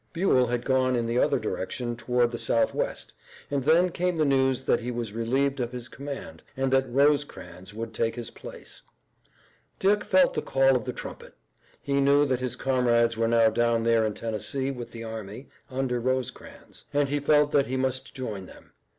Buell had gone in the other direction toward the southwest, and then came the news that he was relieved of his command, and that Rosecrans would take his place. Dick felt the call of the trumpet. He knew that his comrades were now down there in Tennessee with the army under Rosecrans, and he felt that he must join them.